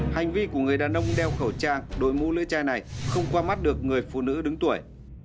hành vi của người đàn ông đeo khẩu trang đội mũ lưỡi chai này không qua mắt được người phụ nữ đứng tuổi